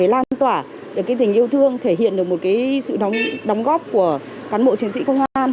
lan tỏa được tình yêu thương thể hiện được một sự đóng góp của cán bộ chiến sĩ công an